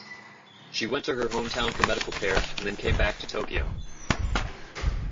She went to her hometown for medical care and then came back to Tokyo.